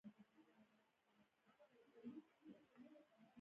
زه د سوال ځواب وایم.